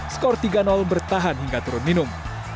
skor tiga bertahan hingga turun minum